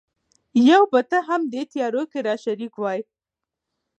یو به ته هم دې تیارو کي را شریک وای